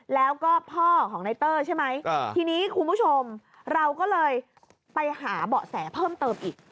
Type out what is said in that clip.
แล้วก็พ่อของในเตอร์ใช่ไหมทีนี้คุณผู้ชมเราก็เลยไปหาเบาะแสเพิ่มเติมอีก